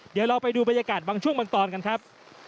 เดี๋ยวเราไปดูบรรยากาศบางช่วงบางตอนกันครับ